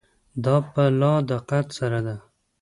دا په لا دقت سره ده.